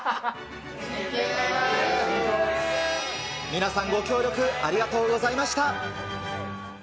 皆さん、ご協力、ありがとうございました。